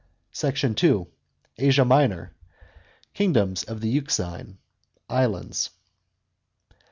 SECT. II. — ASIA MINOR. KINGDOMS ON THE EUXINE. ISLANDS.